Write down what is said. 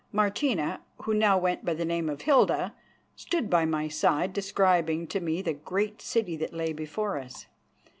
Martina, who now went by the name of Hilda, stood by my side describing to me the great city that lay before us.